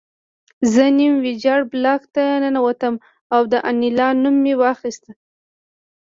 زه نیم ویجاړ بلاک ته ننوتم او د انیلا نوم مې واخیست